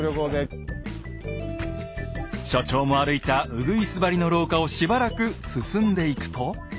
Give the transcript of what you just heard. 所長も歩いたうぐいす張りの廊下をしばらく進んでいくと。